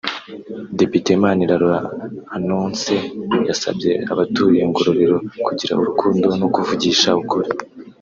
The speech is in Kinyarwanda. Depite Manirarora Annoncée yasabye abatuye Ngororero kugira urukundo no kuvugisha ukuri